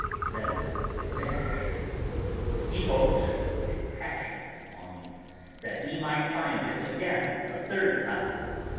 Then it vanished. He hoped, with a passionate longing, that he might find it again, a third time.